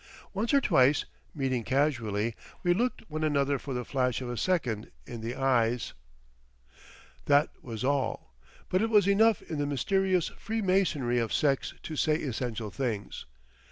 Once or twice, meeting casually, we looked one another for the flash of a second in the eyes. That was all. But it was enough in the mysterious free masonry of sex to say essential things.